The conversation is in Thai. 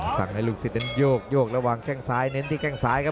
สั่งให้ลูกศิษย์นั้นโยกระหว่างแข้งซ้ายเน้นที่แข้งซ้ายครับ